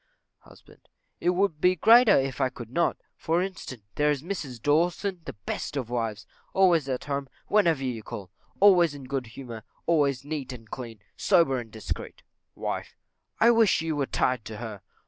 Husband. It would be still greater if I could not; for instance, there is Mrs Dawson, the best of wives; always at home, whenever you call, always in good humour, always neat and clean, sober and discreet. Wife. I wish you were tied to her.